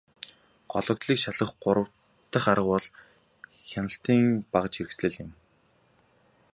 Гологдлыг шалгах гурав дахь арга бол хяналтын багажхэрэгслэл юм.